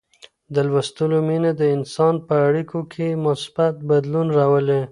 د لوستلو مینه د انسان په اړیکو کي مثبت بدلون راولي.